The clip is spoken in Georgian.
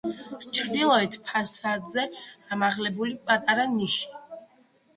ჩრდილოეთ ფასადზე ამოღებულია პატარა ნიში.